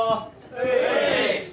はい。